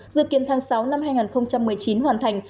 dự kiến tháng sáu năm hai nghìn một mươi chín hoàn thành